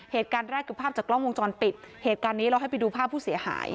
เหตุการณ์แรกคือภาพจากกล้องวงจรปิดเหตุการณ์นี้เราให้ไปดูภาพผู้เสียหาย